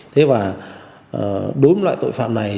thế và đối với loại tội phạm này